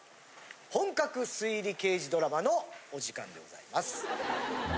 本格推理刑事ドラマのお時間でございます。